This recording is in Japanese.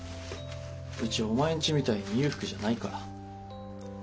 うちお前んちみたいに裕福じゃないから。